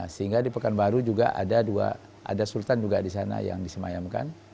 sehingga di pekanbaru juga ada dua ada sultan juga disana yang berpindah ke pekanbaru